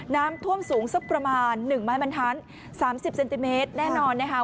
น้ำท่วมสูงสักประมาณ๑ไม้บรรทัศน๓๐เซนติเมตรแน่นอนนะคะ